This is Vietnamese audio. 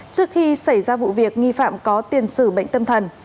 trước khi xảy ra vụ việc nghi phạm có tiền sử bệnh tâm thần